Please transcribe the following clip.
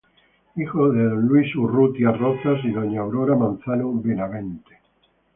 Hijo de don "Luis Urrutia Rozas" y doña "Aurora Manzano Benavente".